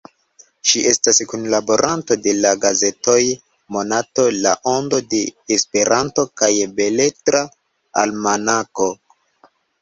Ŝi estas kunlaboranto de la gazetoj Monato, La Ondo de Esperanto kaj Beletra Almanako.